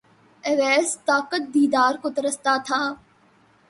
اویس طاقت دیدار کو ترستا تھا